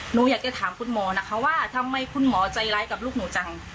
หนูอยากจะถามคุณหมอนะคะว่าทำไมคุณหมอใจร้ายกับลูกหนูจัง